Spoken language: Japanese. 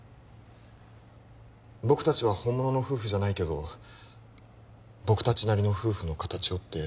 僕達は本物の夫婦じゃないけど僕達なりの夫婦の形をって